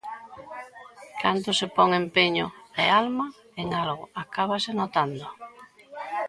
Cando se pon empeño e alma en algo, acábase notando.